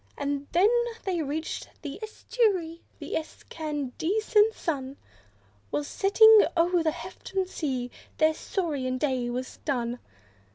And when they reached the estuary, the excandescent sun Was setting o'er the hefted sea; their saurian day was done.